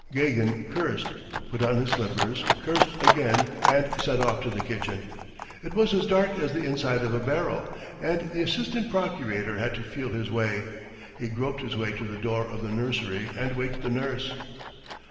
..." Gagin cursed, put on his slippers, cursed again, and set off to the kitchen. It was as dark as the inside of a barrel, and the assistant procurator had to feel his way. He groped his way to the door of the nursery and waked the nurse.